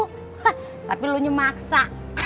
hah tapi lo nyemaksa